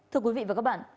thưa quý vị và các bạn